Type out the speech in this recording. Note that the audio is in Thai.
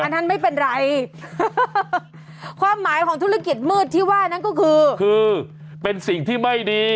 นั่นไม่เป็นไรความหมายของธุรกิจมืดที่ว่านั้นก็คือคือเป็นสิ่งที่ไม่ดี